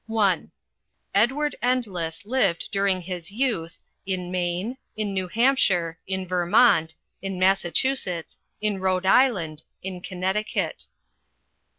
(I) Edward Endless lived during his youth in Maine, in New Hampshire, in Vermont, in Massachusetts, in Rhode Island, in Connecticut.